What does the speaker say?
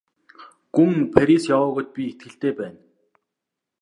Гүн Парис яваагүйд би итгэлтэй байна.